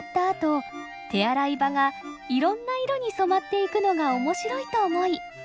あと手洗い場がいろんな色に染まっていくのが面白いと思い